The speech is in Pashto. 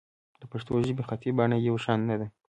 د پښتو ژبې خطي بڼه یو شان نه ده.